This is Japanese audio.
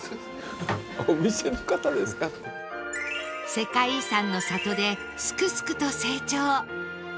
世界遺産の里ですくすくと成長